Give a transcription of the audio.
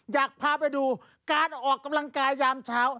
อยากพาไปดูการออกกำลังกายยามเช้า